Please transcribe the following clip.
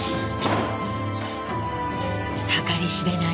計り知れない